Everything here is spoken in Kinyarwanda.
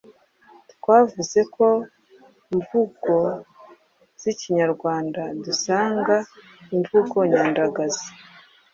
Twavuze ku mvugo z’ikinyarwanda dusanga imvugo nyandagazi